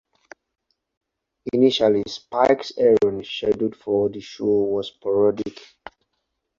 Initially, Spike's airing schedule for the show was sporadic.